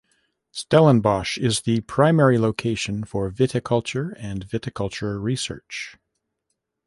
Stellenbosch is the primary location for viticulture and viticulture research.